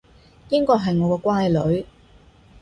應該係我個乖女